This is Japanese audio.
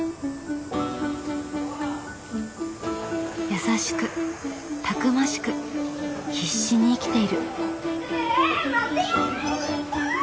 優しくたくましく必死に生きている。